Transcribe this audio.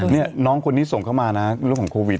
นี่น้องคนนี้ส่งเข้ามานะเรื่องของโควิด